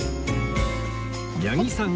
八木さん